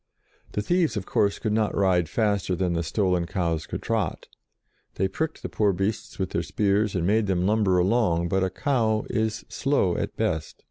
The thieves, of course, could not ride faster than the stolen cows could trot; they pricked the poor beasts with their spears, and made them lumber along, but a cow is slow at best.